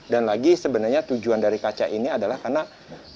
dan lagi sebenarnya tujuan dari kaca ini adalah karena pembangunan